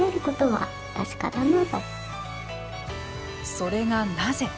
それがなぜ。